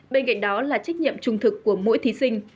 bên cạnh đó là trách nhiệm trung thực của mỗi thí sinh